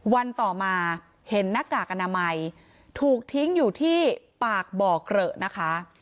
วันต่อมาเห็นหน้ากากอนามัยถูกทิ้งอยู่ที่ปากบ่อเกลอะนะคะ